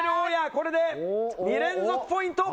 これで２連続ポイント！